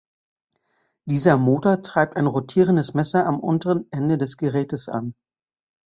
Dieser Motor treibt ein rotierendes Messer am unteren Ende des Geräts an.